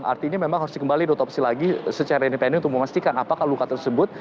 artinya memang harus dikembali diotopsi lagi secara independen untuk memastikan apakah luka tersebut